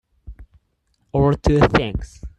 Or to things.